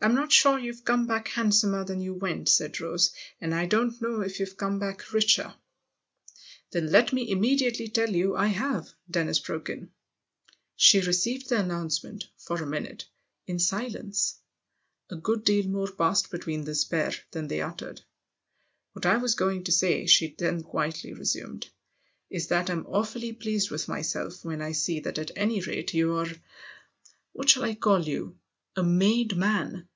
" I'm not sure you've come back handsomer than you went," said Rose, " and I don't know if you've come back richer." " Then let me immediately tell you I have !" Dennis broke in. She received the announcement, for a minute, in silence : a good deal more passed between this pair than they uttered. " What I was going to say," she then quietly resumed, " is that I'm awfully pleased with myself when I see that at any rate you're what shall I call you ? a made man."